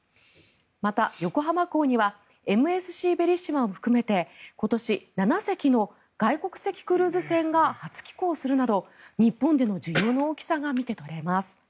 また、横浜港には「ＭＳＣベリッシマ」を含めて今年、７隻の外国籍クルーズ船が初寄港するなど日本での需要の大きさが見て取れます。